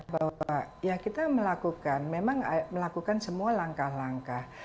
bahwa ya kita melakukan memang melakukan semua langkah langkah